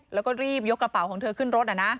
แล้วก็รีบยกกระเป๋าของเธอขึ้นรถ